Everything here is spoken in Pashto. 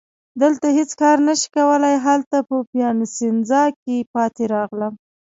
دلته هیڅ کار نه شي کولای، هلته په پیاسینزا کي پاتې راغلم.